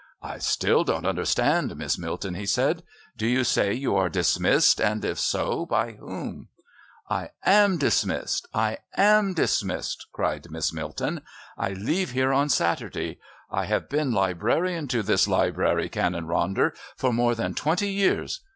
"I still don't understand, Miss Milton," he said. "Do you say you are dismissed, and, if so, by whom?" "I am dismissed! I am dismissed!" cried Miss Milton. "I leave here on Saturday. I have been librarian to this Library, Canon Ronder, for more than twenty years.